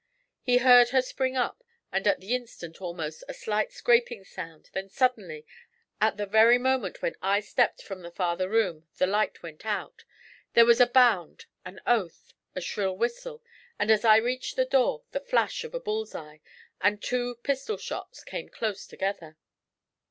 He heard her spring up, and at the instant, almost, a slight scraping sound, then suddenly, at the very moment when I stepped from the farther room, the light went out there was a bound, an oath, a shrill whistle, and, as I reached the door, the flash of a bull's eye, and two pistol shots came close together.